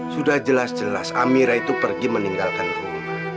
sudah jelas jelas amira itu pergi meninggalkan rumah